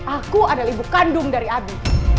aku adalah ibu kandung dari abi